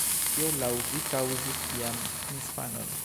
Kio laŭ vi kaŭzis tian misfamon?